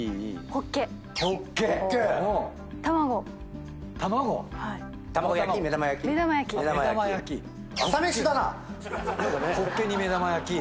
ほっけに目玉焼き。